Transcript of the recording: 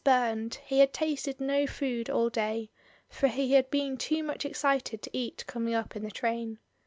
burned, he had tasted no food all day, for he had been too much excited to eat coming up in the train.